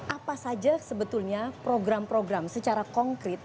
apa saja sebetulnya program program secara konkret